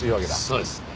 そうですね。